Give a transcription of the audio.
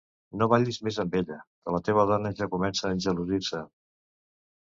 No ballis més amb ella, que la teva dona ja comença a engelosir-se.